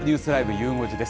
ゆう５時です。